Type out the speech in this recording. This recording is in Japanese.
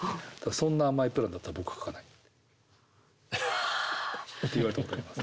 「そんな甘いプランだったら僕は書かない」って言われたことあります。